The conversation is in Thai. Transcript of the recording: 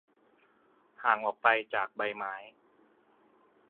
ห่างออกไปจากใบไม้